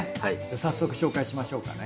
早速紹介しましょうかね。